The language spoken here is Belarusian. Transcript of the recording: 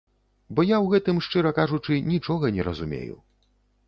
Бо я ў гэтым, шчыра кажучы, нічога не разумею.